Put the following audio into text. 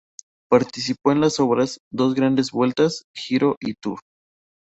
Participó en las otras dos Grandes Vueltas: Giro y Tour.